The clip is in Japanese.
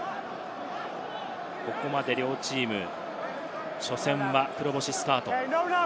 ここまで両チーム、初戦は黒星スタート。